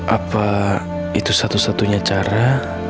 apa itu satu satunya cara